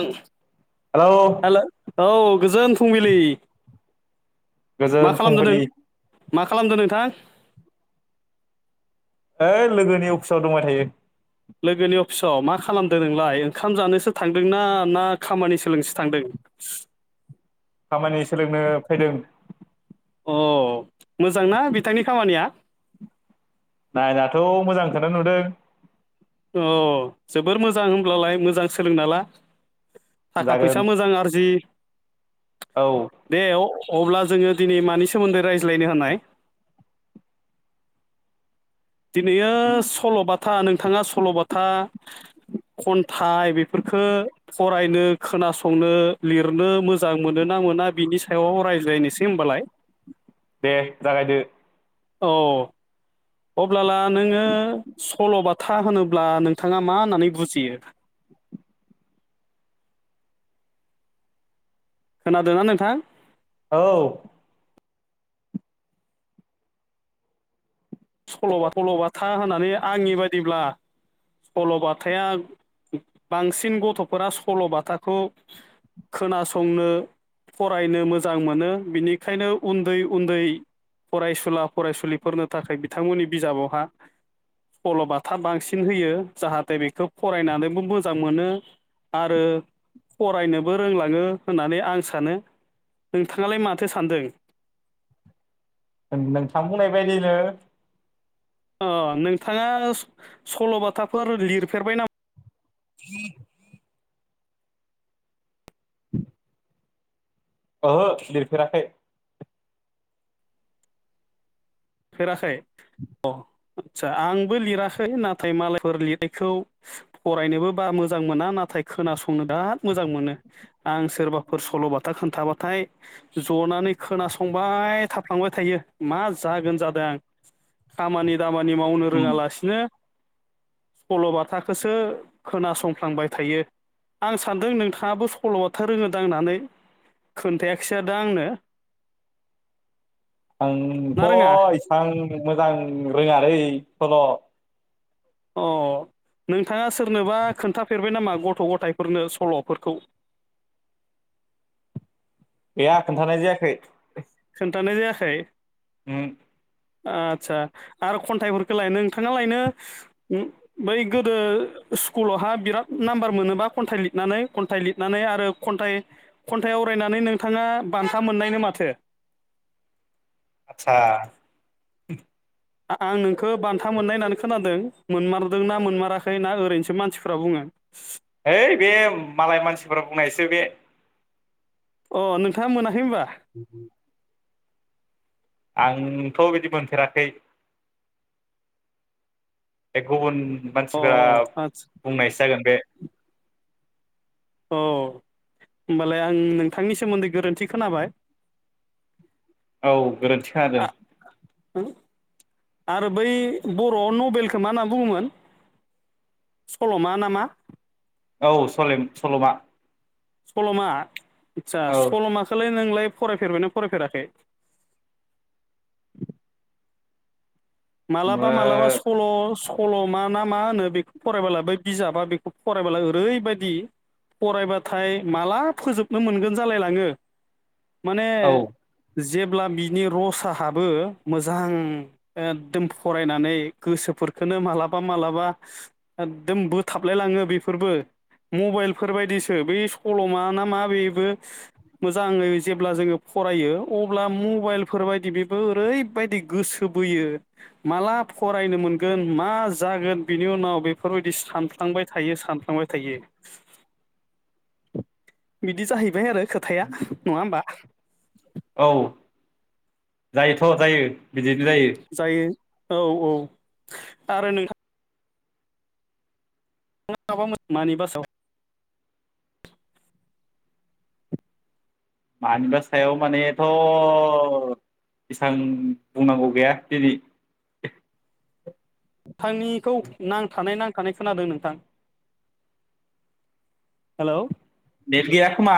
ओं hello hello औ गोजोन फुंबिलि मा गोजोन खालामदों नों फुंबिलि मा खालामदो नोंथां ओइ लोगोनि अफिसाव दंबाय थायो लोगोनि अफिसाव मा खालामदों नोंलाय ओंखाम जानोसो थांदोंना ना खामानि सोलोंनोसो थांदों? खामानि सोलोंनो फैदों अ मोजांना बिथांनि खामानिया? नायनाथ' मोजांखोनो नुदों अ जोबोर मोजां होनब्लालाय मोजां सोलोंना ला थाखा जागोन फैसा मोजां आरजि औ दे औ अब्ला जोङो दिनै मानि सोमोन्दै रायज्लायनो हानाय? दिनैयो सल'बाथ था नोंथाङा सल'बाथा, खन्थाइ बेफोरफोरखौ फरायनो, खोनासंनो, लिरनो मोजां मोनो ना मोना बिनि सायाव रायज्लायनोसै होनबालाय। दे जागायदो औ। अब्लाला नोङो सल'बाथा होनोब्ला नों नोंथाङा मा होननानै बुजियो? खोनादोंना नोंथां? औ सल'ब सल'बाथा होननानै आंनि बायदिब्ला सल'बाथा बांसिन गथ'फोरा सल'बाथाखौ खोनासंनो, फरायनो मोजां मोनो, बिनिखायनो उन्दै उन्दै फरायसुला फरायसुलिफोरनो थाखाय बिथांमोननि बिजाबावहा सल'बाथा बांसिन होयो जाहाथे बेखौ फरायनानैबो मोजां मोनो आरो फरायनोबो रोंलाङो होननानै आं सानो। नोंथाङालाय माथो सानदों? नोंथां बुंनाय बायदिनो- अ नोंथाङा सल'बाथाफोर लिरफेरबाय नामा? [inaudible] ओहो लिरफेराखै। फेराखै अ आचछ आंबो लिराखै नाथाय मालायफोर लिरनायखौ फरायनोबो बारा मोजां मोना, नाथाय खोनासंनो बिराद मोजां मोनो, आं सोरबाफोर सल'बाथा खोन्थाबाथाय ज'नानै खोनासंबाय थाफ्लांबाय थायो मा जागोन जादों खामानि- दामानि मावनो उम रोङालासिनो सल'बाथाखौसो खोनासंफ्लांबाय थायो आं सानदों नोंथाङाबो सल'बाथा रोङोदां होननानै खोन्थायाखिसै दा आंनो। आं ना रोङा थ' आं मोजां रोङालै सल' अ नोंथाङा सोरनोबा खोन्थाफेरबाय नामा गथ' गथाइफोरनो सल'फोरखौ? गैया खोन्थानाय जायाखै। खोन्थानाय जायाखै। उमहो आच्छा आरो खन्थाइफोरखौ लाय नोंथाङा लायनो बै गोदो स्कुलावहा बिराद नाम्बार मोनोबा खन्थाइ लिरनानै खन्थाइ लिरनानै आरो खन्थाइ खन्थाइ आवरायनानै नोंथाङा बान्था मोननायनो माथो? आच्छा आ आं नोंखौ बान्था मोननाय होननानै खोनादों मोनमारदोंना मोनमाराखै ना ओरैनोसो मानसिफ्रा बुङो ओइ बे मालाय मानसिफोरा बुंनायसो बे। अ नोंथाङा मोनाखै होनबा? [inaudible] आंथ' बिदि मोनफेराखै। ए गुबुन अ मानसिफोरा आदसा बुंनायसो जागोन बे अ होमबालाय आं नोंथांनि सोमोन्दै गोरोन्थि खोनाबाय। औ गोरोन्थि खोनादों। आरो बै बर' नबेलखो मा होनना बुङोमोन सल'मा नामा? औ सलेम-सल'मा। सल'मा आदसा सल'माखोलाय नोंलाय फरायफेरबाय ना फरायफेराखै मालाबा मालाबा सल' स सल' मा ना मा होनो बेखौ फरायबोला बै बिजाबा बेखौ फरायबोला ओरैबायदि फरायबाथाय माला फोजोबनो मोनगोन जालायलाङो माने ओ औ जेब्ला बिनि रसाहाबो मोजां एखदम फरायनानै गोसोफोरखोनो मालाबा मालाबा एकदम बोथाबलायलाङो बेफोरबो मबाइलफोरबायदिसो बे सल'मा ना मा बेबो मोजाङै जेब्ला जोङो फरायो अब्ला मबाइलफोरबायदि बेबो ओरैबायदि गोसो बोयो माला फरायनो मोनगोन मा जागोन बिनि उनाव बेफोरबायदि सानफ्लांबाय थायो सानफ्लांबाय थायो बिदि जाहैबाय आरो खोथाया नङा होमबा औ जायोथ' जायो बिदिनो जायो जायो औ औ आरो नोंहा [unintelligible] न माबा मोजां मानि बासाव मानिबा सायाव मानेथ' एसां बुंनांगौ गैया दिनै थांनिखौ नां थानाय नां [unintelligible] नोंथां हेलौ नेट गैया खोमा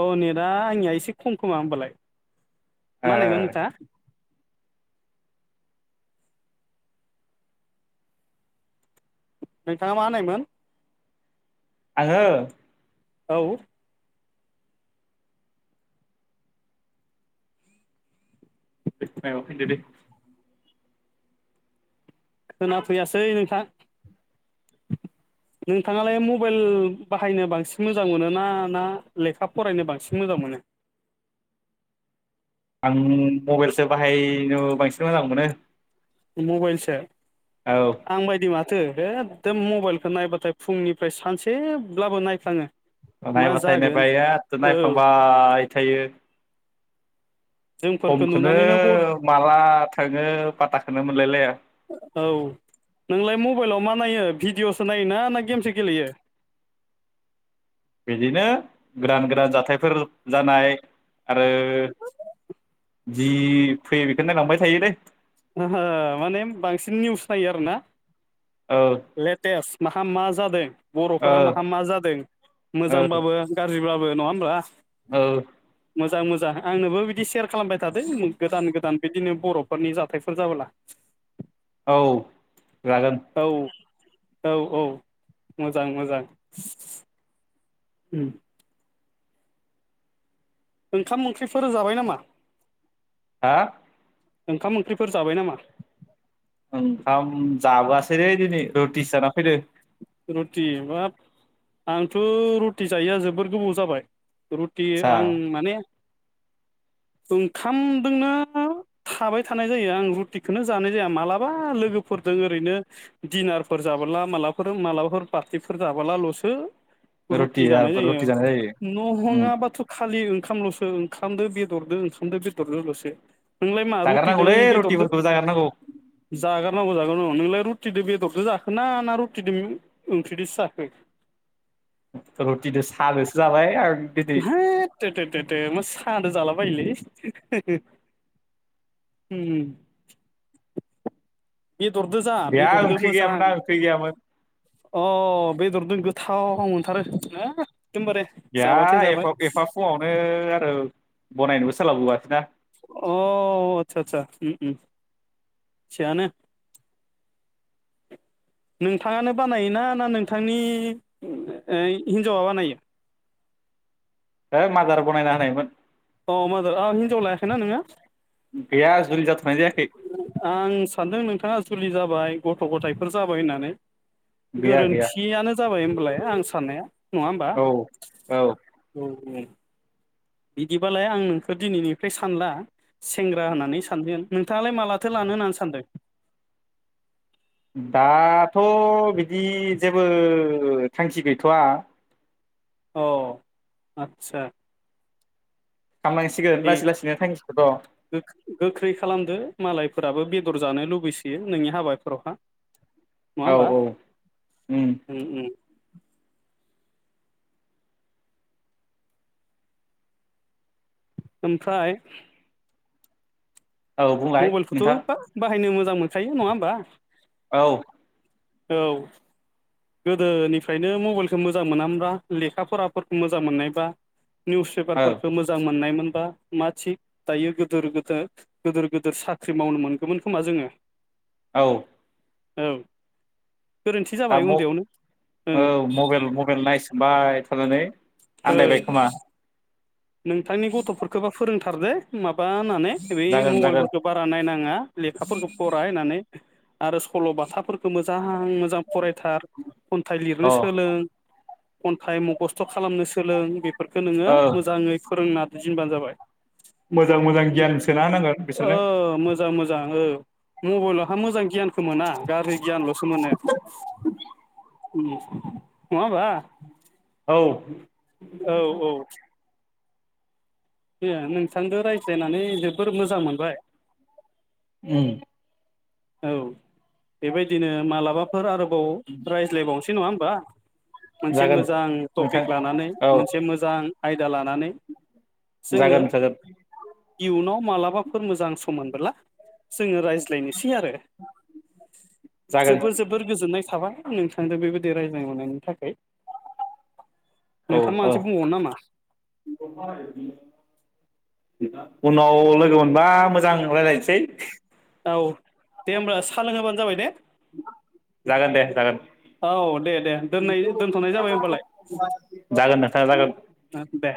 औ नेटआ आंनिया एसे खम खोमा होमबालाय ओ मा होनायमोन नोंथाङा नोंथाङा मा होननायमोन आङो औ [unintelligible] औ फैदो दे खोना फैयासै नोंथां नोंथाङालाय मबेल बाहायनो बांसिन मोजां मोनो ना ना लेखा फरायनो बांसिन मोजां मोनो आं मबेलसो बाहायनो बांसिन मोजां मोनो मबेलसो औ आंबायदि मा एखदम मबाइलखौ नायबाथाय फुंनिफ्राय सानसेब्लाबो नायफ्लाङो मा नायबाथाय जागोन नायबाय ओददो औ नायफ्लांबाय थायो जोंफोरखौ समखौनो नुनानैनो गर माला थाङो पाथाख खाेनो मोनलायलाया औ नोंलाय मबेलाव मा नायो भिडिअ'सो नायो ना ना गेमसो गेलेयो बिदिनो गोदान गोदान जाथायफोर जानाय आरो जि फैयो बेखौनो नायलांबाय थायोलै माने बांसिन निउस नायो आरोना औ लेटेस माहा मा जादों ओ बर'फोरा माहा मा जादों ओ मोजांबाबो गाज्रिबाबो नङा होमबा औ मोजां मोजां आंनोबो बिदि सेर खालामबाय थादो उम गोदान गोदान बिदिनो बरफोरनि जा थायफोल जाबोला औ जागोन औ औ औ मोजां मोजां उम ओंखाम ओंख्रिफोर जाबाय नामा? हा ओंखाम ओंख्रिफोर जाबाय नामा? ओंखाम जाबोयासैलै दिनै रुथिसो जाना फैदो रुथि बाब आंथ रुथि जायोया जोबोर गोबाव जाबाय रुटि आदसा आं माने ओंखामजोंनो थाबाय थानाय जायो आं रुटिखौनो जानाय जाया मालाबा लोगोफोरजों ओरैनो दिनारफोर जाबोला मालाबा फोर मालाबाफोर पार्टिफोर जाबोलालसो रुटि जानाय जायो रुटि जानाय जायो उम नंहङाबाथ खालि ओं ओंखामलसो ओंखामदो बेदरदो ओंखामदो बेदरदोलसो नोंलाय मा रुटिदों जागारनांगौलै बेदरदों रुटिफोरखौ जागारनांगौ जागारनांगौ जागारनांगौ नोंलाय रु रुटिदो बेदरजों जाखोना ना रुत टि दो ओंख्रिजों साखो रुटि दो साजोसो जाबाय आं दिनै हेेेे थो थो थो थो माेस खादो जालाबायोलै हो हो होम बेहा ओंख्रि गैयामोना ओंख्रि गैयामोन अ बेदरदो गोथाव मोनथारो एकदमबारे बेहा जाबाथाय जाबाय एफब एफाब फुङावनो आरो बनायनोबो स सोलाबोवखासैना अ आच्छा आच्छा उम उम थियानो नोंथाङानो बानायोना ना नोंथांनि ओम ओ हिन्जावा बानायो है मादार बनायना होनायमोन औ मादर आ हिन्जाव लायाखैना नोङो गैया जुलि जाथ'नाय जायाखै आं सानदों नोंथां थांया जुलि जाबाय गथ गथायफोर जाबाय होननानै गैया गैया गोरोन्थियानो जाबाय होमबालाय आं साननाया नङा होमबा औ औ ओम बिदिबालाय आं नोंखौ दिनैनिफ्राय सानला सेंग्रा होननानै सानदों नोंथाङालाय मालाथो लानो होननानै सानदों दाथ बिदि जेबो थांखि गैथवा औ आचसा खालामनांसिगोन दे लासै लासैनो थांखिखौथ' औ गोख्रै खालामदो मालाय फोराबो बेदर जानो लुबैसोयो नोंनि हाबाफोरावहा नङा औ होमबा औ ओम ओमफ्राय औ बुंलाय मबाइल खौथ नोंथां बा बाहायनो मो मोजां मोनखायो नङा होमबा औ औ गोदोनिफ्रायनो मबाइलखौ मोजां मोना ब्रा लेखा फराफोरखौ मोजां मोननायबा निउस औ पेपारफोरखो मोजां मोननायमोन बा मा थिग दायो गोदोर गोदोर गोदोर गोदोर साख्रि मावनो मोनगोमोन खोमा जोङो औ औ गोरोन्थि [unintelligible] जाबाय उन्दैयावनो ओं औ मबाइल मबाइल नायसनबाय [unintelligible] [unintelligible] ओ आन्दायबाय खोमा नोंथांनि गथफोरखोबा फोरोंथ [unintelligible] बानाने बे जागोन जागोन मबाइलफोरखो बारा नायनाङा लेखाफोरखौ फरायनानै आरो सलबाथाफोरखो मोजां आं मोजां फरायथार खन्थाइ अ लिरनो सोलों खन्थाइ मखस्थ खालामनो सो सोलों बे फोरखो नोङो औ मोजाङै फोरोंना [unintelligible] जाबाय मोजां मोजां गियान सोना होनांगोन बिसोरनो जा मोजाङो ओ मबलहा मोजां गियान [unintelligible] मोना गारि गियानलसो मोनो [inaudible] नवा ओबा औ औ औ [unintelligible] नोंथांदो रायज्लायनानै जोबोर मोजां मोनबाय उम औ बेबायदिनो मालाबाफोर आरो औ रायज्लायबावनोसै नङा ओमबा मोनसे जागोन मोजां नोंथां टपिक लानानै औ मोनसे मोजां आय जा लानानै जोङो जागोन जागोन इयुनाव मालाबाफोर मोजां सम मोनबोला जोङो रायज्लायनायनो इ आरो जागोन जोबो जोबोर गोजोननाय साबाय नोंथांदो बेबादि रायज्लायनायनो मोननानै थाखैय औ औ उनाव लोगो मोनबा मो मोजां रायलायनोसै औ दे होमब्ला सा लोंहोबानो जाबाय दे जागोन दे जागोन औ दे दे दोननाय दोनथ'नाय जाबाय होमबालाय जागोन नोंथां जागोन दे